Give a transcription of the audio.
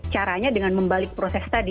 caranya dengan membalik proses tadi